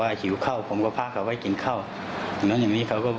อ๋อแล้วผู้หญิงเขา